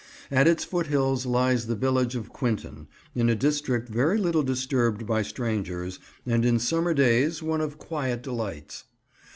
At its foothills lies the village of Quinton, in a district very little disturbed by strangers, and in summer days one of quiet delights.